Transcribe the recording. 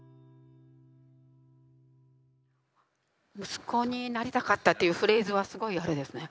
「息子になりたかった」というフレーズはすごいあれですね。